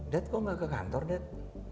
dad kok gak ke kantor dad